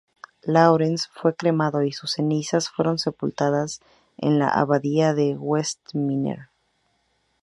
Laurence fue cremado, y sus cenizas fueron sepultadas en la Abadía de Westminster.